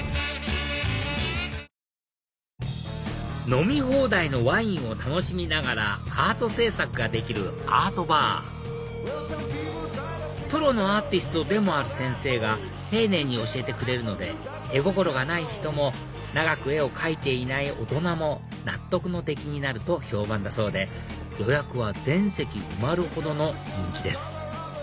飲み放題のワインを楽しみながらアート制作ができるＡｒｔｂａｒプロのアーティストでもある先生が丁寧に教えてくれるので絵心がない人も長く絵を描いていない大人も納得の出来になると評判だそうで予約は全席埋まるほどの人気です